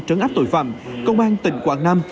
trấn áp tội phạm công an tỉnh quảng nam